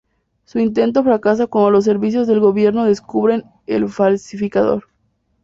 Su intento fracasa cuando los servicios del gobierno descubren el falsificador.